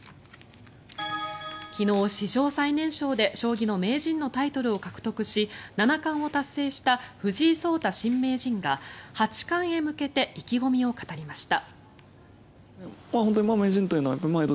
昨日、史上最年少で将棋の名人のタイトルを獲得し七冠を達成した藤井聡太新名人が八冠へ向けて意気込みを語りました。